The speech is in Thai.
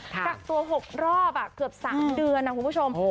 กักตัว๖รอบเกือบ๓เดือนนะคุณผู้ชม